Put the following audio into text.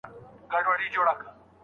آیا ډله ییز کار تر یوازي کار اسانه دی؟